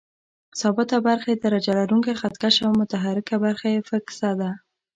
ثابته برخه یې درجه لرونکی خط کش او متحرکه برخه یې فکسه ده.